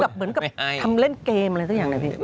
เหมือนกับทำเล่นเกมอะไรสักอย่างนะพี่